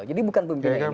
jadi bukan pemimpinnya ini